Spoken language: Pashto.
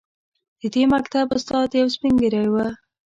د دې مکتب استاد یو سپین ږیری و.